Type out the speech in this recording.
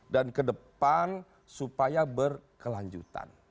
dan ke depan supaya berkelanjutan